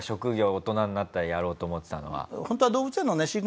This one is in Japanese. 大人になったらやろうと思ってたのは。